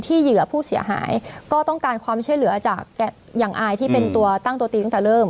เหยื่อผู้เสียหายก็ต้องการความช่วยเหลือจากอย่างอายที่เป็นตัวตั้งตัวตีตั้งแต่เริ่ม